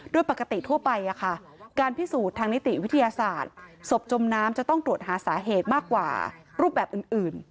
โดยปกติทั่วไปการพิสูจน์ทางนิติวิทยาศาสตร์ศพจมน้ำจะต้องตรวจหาสาเหตุมากกว่ารูปแบบอื่น